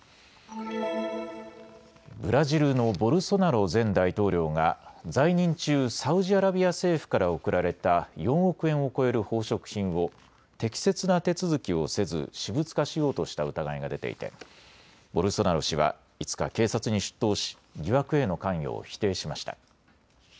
ブラジルのボルソナロ前大統領が在任中、サウジアラビア政府から贈られた４億円を超える宝飾品を適切な手続きをせず私物化しようとした疑いが出ていてボルソナロ氏は５日、警察に出頭し疑惑への関与を否定しました。